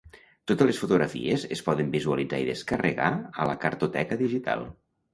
Totes les fotografies es poden visualitzar i descarregar a la Cartoteca digital.